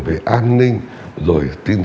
về an ninh rồi tin